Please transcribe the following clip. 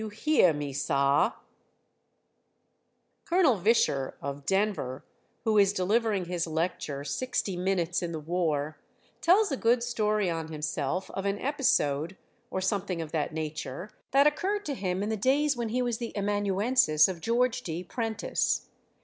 You Heah Me, Sah! Col. Visscher, of Denver, who is delivering his lecture, "Sixty Minutes in the War," tells a good story on himself of an episode, or something of that nature, that occurred to him in the days when he was the amanuensis of George D. Prentice.